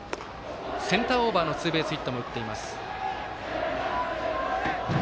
センターオーバーのツーベースヒットも打っています。